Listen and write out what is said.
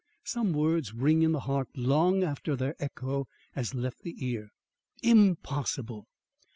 Some words ring in the heart long after their echo has left the ear. IMPOSSIBLE!